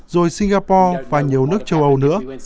rồi singapore và nhiều nước châu âu nữa